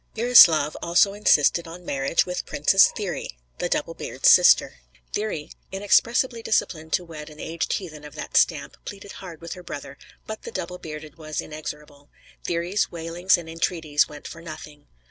Burislav also insisted on marriage with Princess Thyri, the Double beard's sister. Thyri, inexpressibly disinclined to wed an aged heathen of that stamp, pleaded hard with her brother; but the Double bearded was inexorable; Thyri's wailings and entreaties went for nothing.